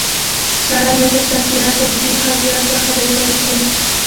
سړی مې تر څنګ کېناست او په ټیټ غږ یې راسره خبرې پیل کړې.